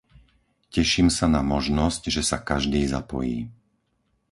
Teším sa na možnosť, že sa každý zapojí.